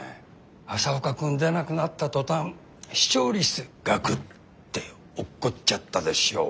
朝岡君出なくなった途端視聴率ガクッて落っこっちゃったでしょう。